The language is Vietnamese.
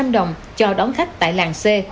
chín một trăm linh đồng cho đón khách tại làng xe